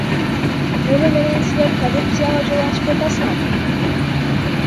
Муну менен силер коррупцияга жол ачып жатасыңар.